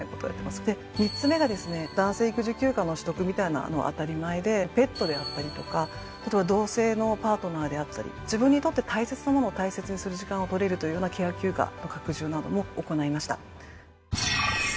で３つ目がですね男性育児休暇の取得みたいなの当たり前でペットであったりとか同性のパートナーであったり自分にとって大切なものを大切にする時間を取れるというようなケア休暇の拡充なども行いました。